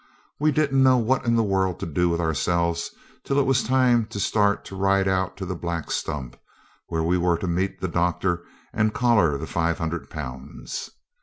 We didn't know what in the world to do with ourselves till it was time to start to ride out to the Black Stump, where we were to meet the doctor and collar the 500 Pounds.